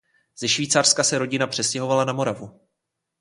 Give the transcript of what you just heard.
Ze Švýcarska se rodina přestěhovala na Moravu.